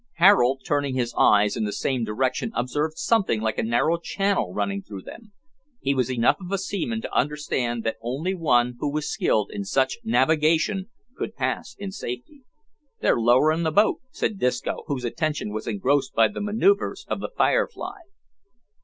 Harold, turning his eyes in the same direction, observed something like a narrow channel running through them. He was enough of a seaman to understand that only one who was skilled in such navigation could pass in safety. "They're lowering a boat," said Disco, whose attention was engrossed by the manoeuvres of the "Firefly."